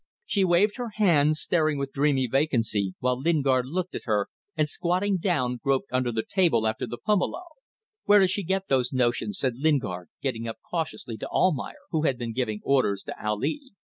She waved her hand, staring with dreamy vacancy, while Lingard looked at her, and squatting down groped under the table after the pumelo. "Where does she get those notions?" said Lingard, getting up cautiously, to Almayer, who had been giving orders to Ali.